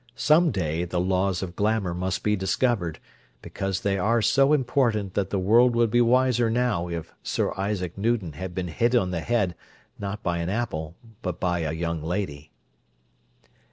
Some day the laws of glamour must be discovered, because they are so important that the world would be wiser now if Sir Isaac Newton had been hit on the head, not by an apple, but by a young lady.